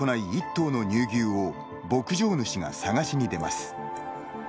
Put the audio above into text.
１頭の乳牛を牧場主が探しに出ます。